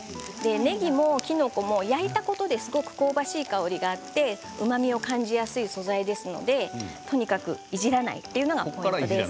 ねぎもきのこも焼いたことで香ばしい香りがあってうまみを感じやすい素材ですのでとにかくいじらない。